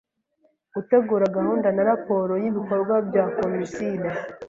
gutegura gahunda na raporo y’ibikorwa bya komisire